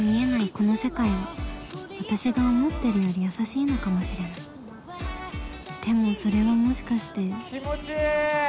この世界は私が思ってるより優しいのかもしれないでもそれはもしかして気持ちいい！